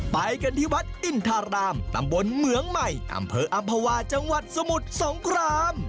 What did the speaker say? ไปกันที่วัดอินทารามตำบลเหมืองใหม่อำเภออำภาวาจังหวัดสมุทรสงคราม